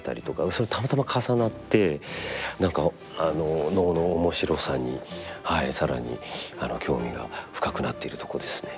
それたまたま重なって何か能の面白さに更に興味が深くなっているとこですね。